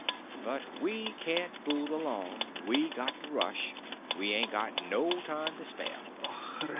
But we can't fool along; we got to rush; we ain't got no time to spare.